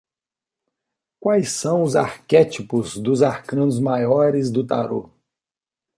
Quais são os arquétipos dos arcanos maiores do Tarô?